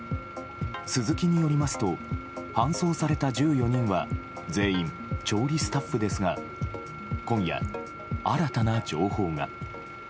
スズキによりますと搬送された１４人は全員、調理スタッフですが今夜、新たな情報が。